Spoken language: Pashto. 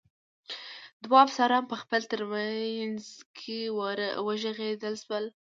دوه افسران په خپل منځ کې په وږغېدو شول.